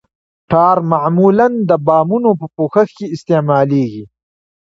ټار معمولاً د بامونو په پوښښ کې استعمالیږي